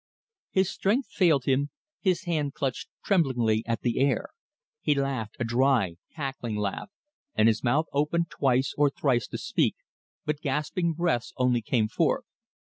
His strength failed him, his hand clutched tremblingly at the air. He laughed, a dry, crackling laugh, and his mouth opened twice or thrice to speak, but gasping breaths only came forth.